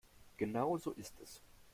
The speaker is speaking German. Genau so ist es.